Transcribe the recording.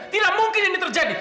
tidak mungkin ini terjadi